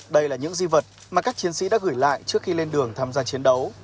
đây là những di vật mà các chiến sĩ đã gửi lại trước khi lên đường tham gia chiến đấu